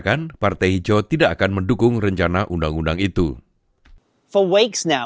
kami tahu bahwa penyelidikan ini jika dilakukan